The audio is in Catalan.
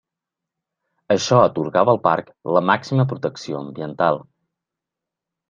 Això atorgava al Parc la màxima protecció ambiental.